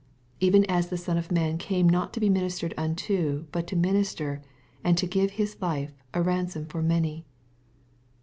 28 Even as the Son of man came not to be ministered unto, but to min ister, and to give his life a ransom for many.